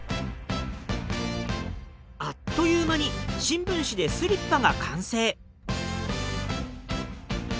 あっという間に新聞紙でスリッパが完成！